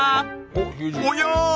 おや！